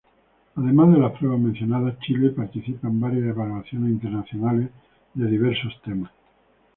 Además de las pruebas mencionadas, Chile participa en varias evaluaciones internacionales de diversos temas.